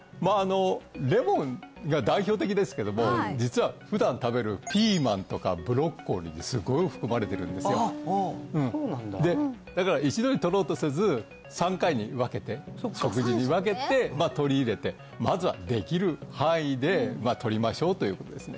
レモンが代表的ですけども実は普段食べるピーマンとかブロッコリーにすごい含まれてるんですよあっそうなんだだから一度に取ろうとせず３回に分けて食事に分けて取り入れてまずはできる範囲で取りましょうということですね